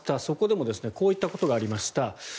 そこでもこういったことがありました。